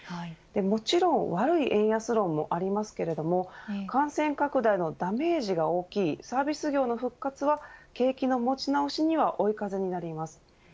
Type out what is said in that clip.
もちろん悪い円安論もありますが感染拡大のダメージが大きいサービス業の復活は景気の持ち直しには追い風になります。